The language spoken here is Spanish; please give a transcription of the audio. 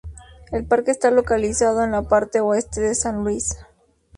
El parque está localizado en la parte oeste de San Luis.